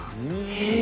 へえ。